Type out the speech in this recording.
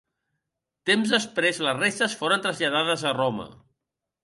Temps després, les restes foren traslladades a Roma.